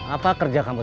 apa kerja kamu